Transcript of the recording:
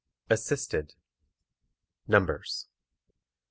Assisted. Numbers.